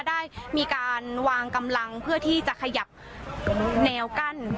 ได้มีการวางกำลังเพื่อที่จะขยับแนวกั้น